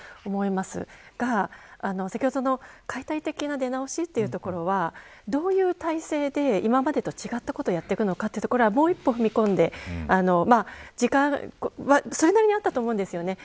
ですが、先ほどの解体的な出直しというところがどういう体制で今までと違ったことをやっていくのかというところも一歩踏み込んで時間はそれなりにあったと思うんです。